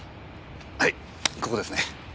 はいここですね。